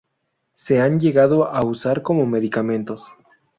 Se han llegado a usar como medicamentos.